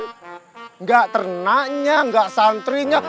tidak ternaknya tidak santrinya